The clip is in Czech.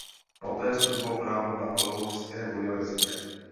Poté studoval právo na Lvovské univerzitě.